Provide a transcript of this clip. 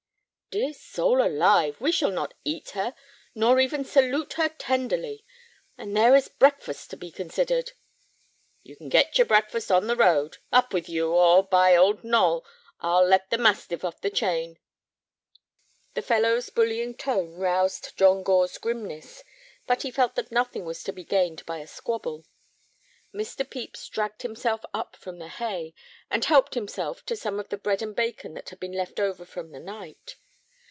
"Dear soul alive, we shall not eat her, nor even salute her tenderly! And there is breakfast to be considered." "You can get your breakfast on the road. Up with you, or, by Old Noll, I'll let the mastiff off the chain!" The fellow's bullying tone roused John Gore's grimness, but he felt that nothing was to be gained by a squabble. Mr. Pepys dragged himself up from the hay, and helped himself to some of the bread and bacon that had been left over from the night.